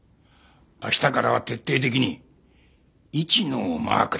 明日からは徹底的に市野をマークだ。